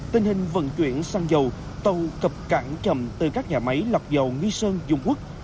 tình hình vận chuyển xăng dầu tàu cập cảng chầm từ các nhà máy lọc dầu nghi sơn dung quốc